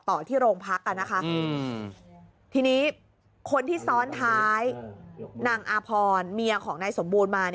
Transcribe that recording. ต่อที่โรงพักทีนี้คนที่ซ้อนท้ายนางอาพรเมียของนายสมบูรณ์มา